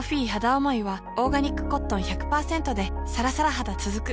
おもいはオーガニックコットン １００％ でさらさら肌つづく